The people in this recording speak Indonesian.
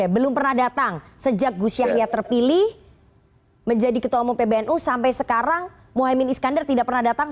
belum pernah datang sejak gus yahya terpilih menjadi ketua umum pbnu sampai sekarang mohaimin iskandar tidak pernah datang